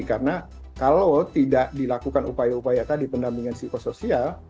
karena kalau tidak dilakukan upaya upaya tadi pendampingan psikososial